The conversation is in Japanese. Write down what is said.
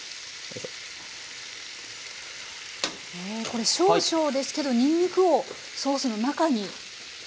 これ少々ですけどにんにんくをソースの中に。